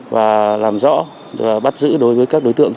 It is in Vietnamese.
và làm rõ bắt giữ đối tượng